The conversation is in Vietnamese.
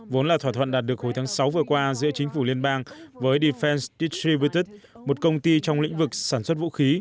vốn là thỏa thuận đạt được hồi tháng sáu vừa qua giữa chính phủ liên bang với defestidry bertus một công ty trong lĩnh vực sản xuất vũ khí